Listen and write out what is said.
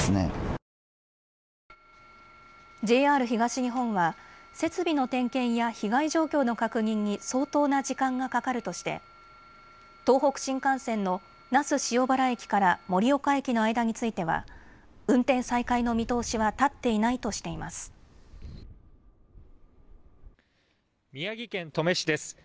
ＪＲ東日本は設備の点検や被害状況の確認に相当な時間がかかるとして東北新幹線の那須塩原駅から盛岡駅の間については運転再開の見通しは立っていないとしています。